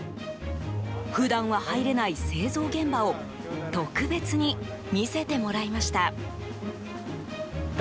普段は入れない製造現場を特別に見せてもらいました。